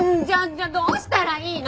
じゃあどうしたらいいの！？